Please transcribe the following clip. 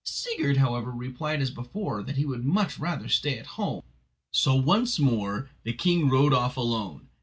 Sigurd, however, replied as before, that he would much rather stay at home. So once more the king rode off alone.